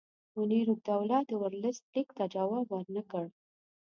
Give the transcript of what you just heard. منیرالدوله د ورلسټ لیک ته جواب ورنه کړ.